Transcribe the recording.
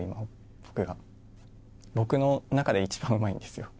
僕が僕の中で一番うまいんですよ。